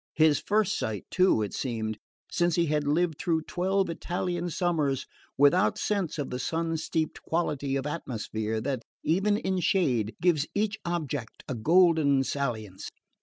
His first sight too, it seemed: since he had lived through twelve Italian summers without sense of the sun steeped quality of atmosphere that, even in shade, gives each object a golden salience.